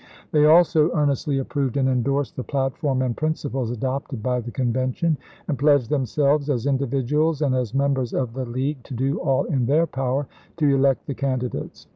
They also earnestly ap proved and indorsed the platform and principles adopted by the Convention, and pledged them selves, as individuals and as members of the League, to do all in their power to elect the candidates.